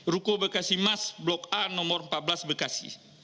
ruko bekasi mas blok a nomor empat belas bekasi